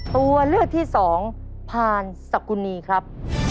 ตัวเลือกที่๒พาลสกุนีครับ